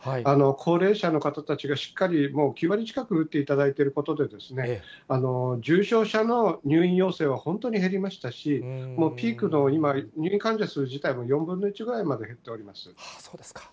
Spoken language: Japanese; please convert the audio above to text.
高齢者の方たちがしっかり９割近く打っていただいてることで、重症者の入院要請は本当に減りましたし、ピークの入院患者数自体も４分の１ぐらいまで減っております。